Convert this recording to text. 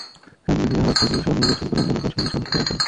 সেখানে গিয়ে হাত ছড়িয়ে এমনভাবে ছবি তোলেন যেন তাঁর স্বামী সঙ্গেই আছেন।